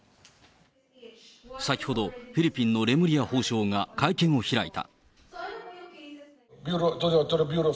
先ほど、フィリピンのレムリヤ法相が会見を開いた。